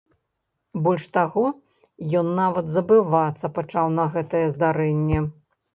Больш таго, ён нават забывацца пачаў на гэтае здарэнне.